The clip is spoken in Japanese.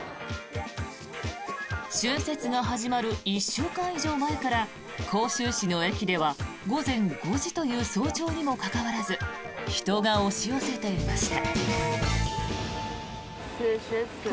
春節が始まる１週間以上前から広州市の駅では午前５時という早朝にもかかわらず人が押し寄せていました。